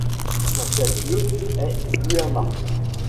Son chef-lieu est Guama.